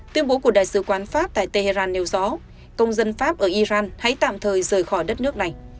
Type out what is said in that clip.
tuyên bố của đại sứ quán pháp tại tehran nêu rõ công dân pháp ở iran hãy tạm thời rời khỏi đất nước này